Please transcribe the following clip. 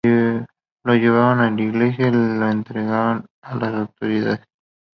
Lo llevaron a la isla y lo entregaron a las autoridades.